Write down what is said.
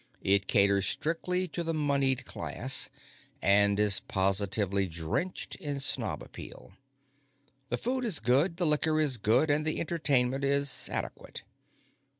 It caters strictly to the moneyed class, and is positively drenched in snob appeal. The food is good, the liquor is good, and the entertainment is adequate.